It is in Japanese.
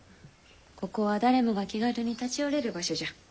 ここは誰もが気軽に立ち寄れる場所じゃ通すがよい。